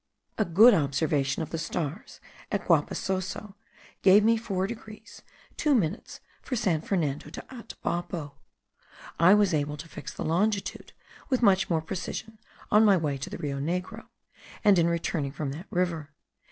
A good observation of the stars at Guapasoso gave me 4 degrees 2 minutes for San Fernando de Atabapo. I was able to fix the longitude with much more precision in my way to the Rio Negro, and in returning from that river.